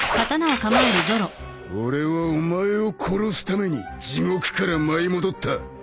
俺はお前を殺すために地獄から舞い戻った！